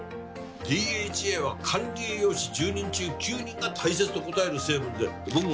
ＤＨＡは管理栄養士１０人中９人が大切と答える成分で僕もね